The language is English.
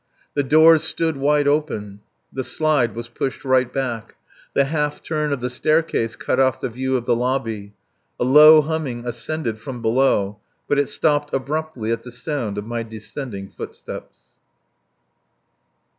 The doors stood wide open, the slide was pushed right back. The half turn of the staircase cut off the view of the lobby. A low humming ascended from below, but it stopped abruptly at the sound of my descending footsteps.